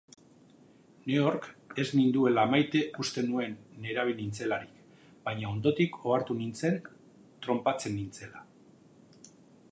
Nehork ez ninduela maite uste nuen nerabea nintzelarik, baina ondotik ohartu nintzen tronpatzen nintzela.